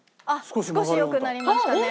少し良くなりましたね。